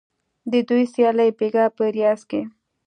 د دوی سیالي بیګا په ریاض کې